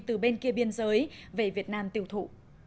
từ bên kia biên giới về việt nam tiêu thụ